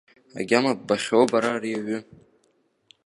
Агьама ббахьоу бара ари аҩы?